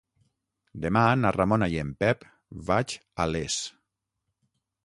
Demà na Ramona i en Pep vaig a Les.